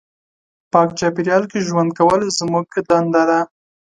پاک چاپېریال کې ژوند کول زموږ دنده ده.